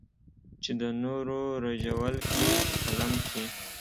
چې د نورو رژول کړې په قلم کې.